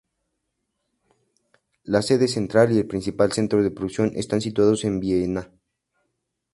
La sede central y el principal centro de producción están situados en Viena.